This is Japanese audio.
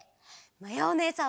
まやおねえさん！